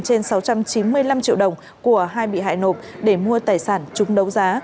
trên sáu trăm chín mươi năm triệu đồng của hai bị hại nộp để mua tài sản chung đấu giá